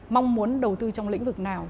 mong muốn đầu tư trong lĩnh vực nào